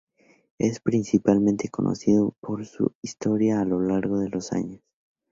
Es principalmente conocido por su historia a lo largo de los años.